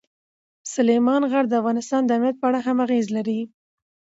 سلیمان غر د افغانستان د امنیت په اړه هم اغېز لري.